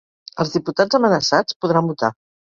Els diputats amenaçats podran votar